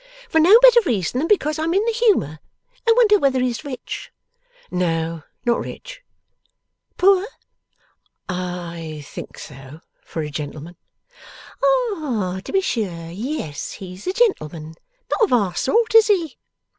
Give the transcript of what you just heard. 'For no better reason than because I'm in the humour. I wonder whether he's rich!' 'No, not rich.' 'Poor?' 'I think so, for a gentleman.' 'Ah! To be sure! Yes, he's a gentleman. Not of our sort; is he?